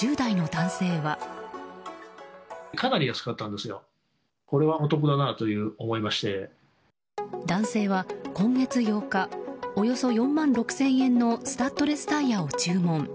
男性は今月８日およそ４万６０００円のスタッドレスタイヤを注文。